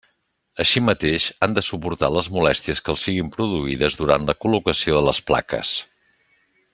Així mateix, han de suportar les molèsties que els siguin produïdes durant la col·locació de les plaques.